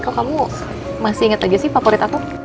kok kamu masih inget aja sih favorit aku